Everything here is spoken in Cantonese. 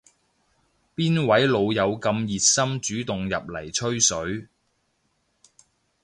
邊位老友咁熱心主動入嚟吹水